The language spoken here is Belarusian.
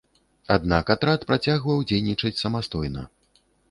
Аднак, атрад працягваў дзейнічаць самастойна.